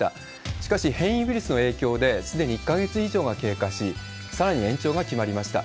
しかし、変異ウイルスの影響で、すでに１か月以上が経過し、さらに延長が決まりました。